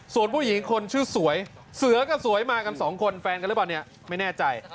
ส่วนผู้หญิงคนชื่อสวยเสือกับสวยมากันสองคนแฟนกันหรือเปล่าเนี่ยไม่แน่ใจ